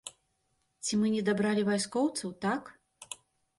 Ці мы не дабралі вайскоўцаў, так?